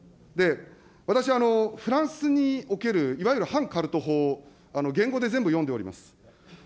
私、フランスにおけるいわゆる反カルト法、原語で全部読んでおります。